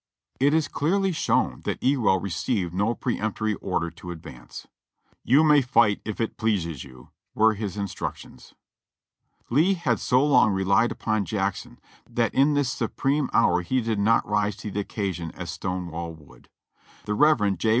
It is clearly shown that Ewell received no peremptory order to advance. "You may fight if it pleases you," were his instruc tions. Lee had so long relied upon Jackson, that in this supreme hour he did not rise to the occasion as Stonewall would. The Rev. J.